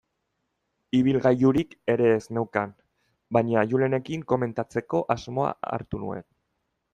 Ibilgailurik ere ez neukan, baina Julenekin komentatzeko asmoa hartu nuen.